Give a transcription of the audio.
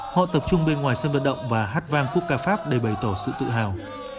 họ tập trung bên ngoài sân vận động và hát vang khúc ca pháp để bày tỏ sự tự hào